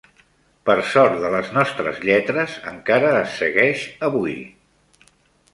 Per sort de les nostres lletres, encara es segueix avui.